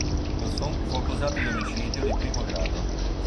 Johnson fu accusato di omicidio di primo grado.